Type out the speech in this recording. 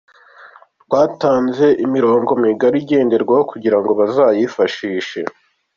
Twatanze imirongo ngenderwaho migari kugira ngo bazayifashishe.